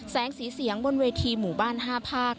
แสงสีเสียงบนเวทีหมู่บ้าน๕ภาค